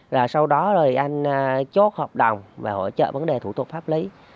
rồi sau đó rồi anh chốt hợp đồng và hỗ trợ vấn đề thủ tục pháp lý